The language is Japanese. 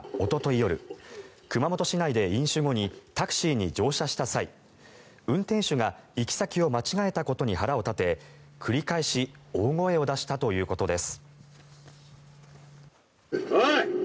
夜熊本市内で飲酒後にタクシーに乗車した際運転手が行き先を間違えたことに腹を立て、繰り返し大声を出したということです。